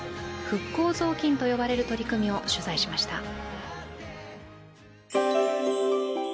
復興ぞうきんと呼ばれる取り組みを取材しました。